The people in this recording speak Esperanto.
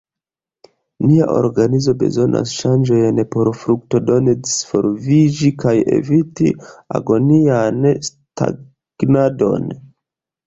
Nia organizo bezonas ŝanĝojn por fruktodone disvolviĝi kaj eviti agonian stagnadon.